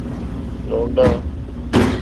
لونڈا